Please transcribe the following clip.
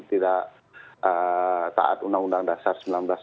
tidak taat undang undang dasar seribu sembilan ratus empat puluh